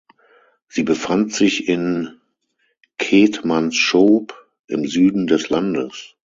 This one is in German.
Sie befand sich in Keetmanshoop im Süden des Landes.